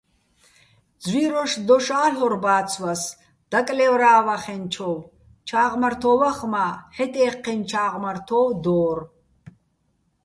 ძვიროშ დოშ ა́ლ'ორ ბა́ცვას, დაკლე́ვრა́ვახენჩოვ, ჩა́ღმართო́ვახ მა́ "ჰ̦ეტ-ე́ჴჴინო̆ ჩა́ღმართო́ვ" დო́რ.